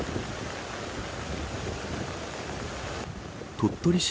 鳥取市